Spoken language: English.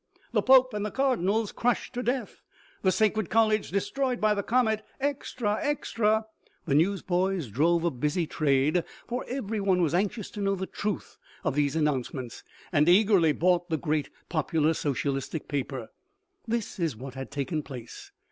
" The Pope and the cardinals crushed to death ! The sacred college destroyed by the comet ! Extra ! Extra !" The newsboys drove a busy trade, for everyone was I 7 8 OMEGA . anxious to know the truth, of these an nouncements, and eagerly bought the great popular socialistic paper. This is what had taken place.